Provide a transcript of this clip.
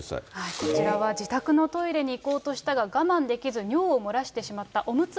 こちらは自宅のトイレに行こうとしたが、我慢できず尿を漏らしてしまった。